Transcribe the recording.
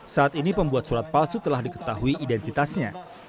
saat ini pembuat surat palsu telah diketahui identitasnya